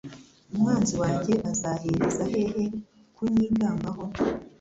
Umwanzi wanjye azahereza hehe kunyigambaho?